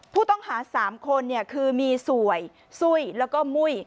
ผู้ต้องหา๓คนคือมีสวยซุ้ยแล้วก็มุ้ย